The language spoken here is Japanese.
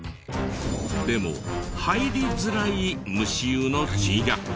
でも入りづらい蒸し湯の珍百景も。